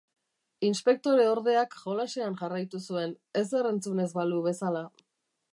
Inspektore-ordeak jolasean jarraitu zuen, ezer entzun ez balu bezala.